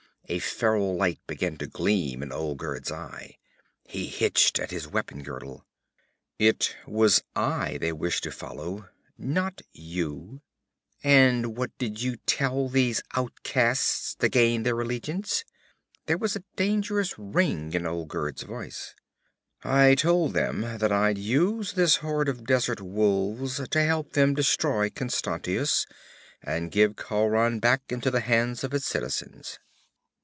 A feral light began to gleam in Olgerd's eye. He hitched at his weapon girdle. 'It was I they wished to follow, not you.' 'And what did you tell these outcasts to gain their allegiance?' There was a dangerous ring in Olgerd's voice. 'I told them that I'd use this horde of desert wolves to help them destroy Constantius and give Khauran back into the hands of its citizens.'